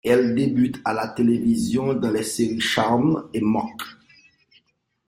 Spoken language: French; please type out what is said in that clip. Elle débute à la télévision dans les séries Charmed et Monk.